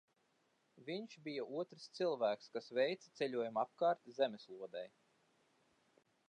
Viņš bija otrs cilvēks, kas veica ceļojumu apkārt zemeslodei.